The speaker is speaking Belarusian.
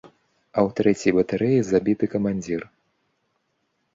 А ў трэцяй батарэі забіты камандзір.